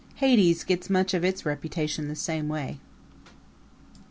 Hades gets much of its reputation the same way.